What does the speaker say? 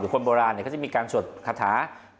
อย่างคนโบราณก็จะมีการฉวดคาถา